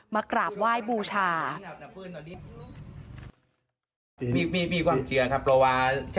มากราบไหว้บูชา